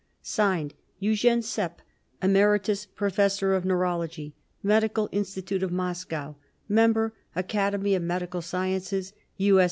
/s/ EUGENE SEPP Emeritus Professor of Neurology, Medical Institute of Moscow Member, Academy of Medical Sciences, U.